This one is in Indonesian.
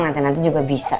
nanti nanti juga bisa